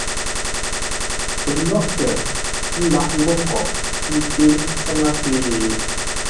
Pəlóghʼtə lâʼ ńgó hó ńté tsáŋə́se?